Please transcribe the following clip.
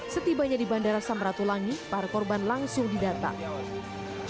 setibanya di bandara samratulangi para korban langsung didatang